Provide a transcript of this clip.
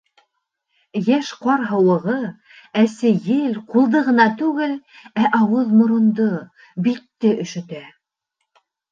Йәш ҡар һыуығы, әсе ел ҡулды ғына түгел, ә ауыҙ-морондо, битте өшөтә.